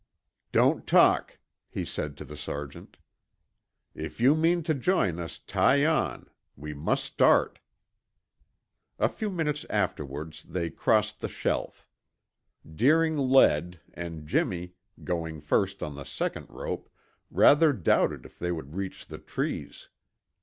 "Don't talk!" he said to the sergeant. "If you mean to join us, tie on. We must start." A few minutes afterwards, they crossed the shelf. Deering led, and Jimmy, going first on the second rope, rather doubted if they would reach the trees.